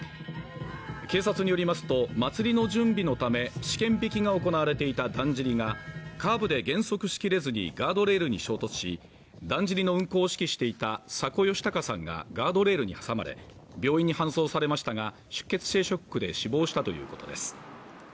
警察によりますと祭りの準備のため試験曳きが行われていただんじりがカーブで減速しきれずにガードレールに衝突しだんじりの運行を指揮していた佐古吉隆さんがガードレールに挟まれ病院に搬送されましたが出血性ショックで死亡したということです